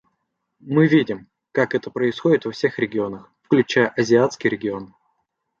Мы видим, как это происходит во всех регионах, включая азиатский регион.